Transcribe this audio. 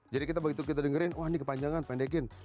jadi kita begitu kita dengerin wah ini kepanjangan pendekin